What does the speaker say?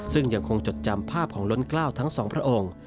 ซึ่งยังคงจดจำภาพของล้นกล้าวทั้งสองพระองค์